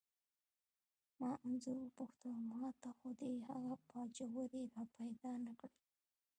ما انځور وپوښتل: ما ته خو دې هغه باجوړی را پیدا نه کړ؟